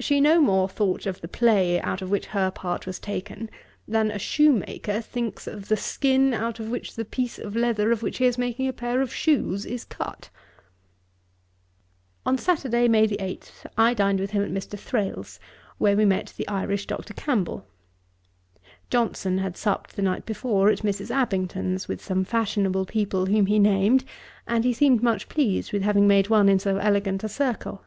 She no more thought of the play out of which her part was taken, than a shoemaker thinks of the skin, out of which the piece of leather, of which he is making a pair of shoes, is cut.' On Saturday, May 8, I dined with him at Mr. Thrale's, where we met the Irish Dr. Campbell. Johnson had supped the night before at Mrs. Abington's, with some fashionable people whom he named; and he seemed much pleased with having made one in so elegant a circle.